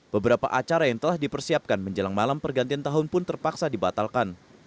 beberapa acara yang telah dipersiapkan menjelang malam pergantian tahun pun terpaksa dibatalkan